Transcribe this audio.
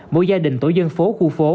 mỗi gia đình tổ dân phố khu phố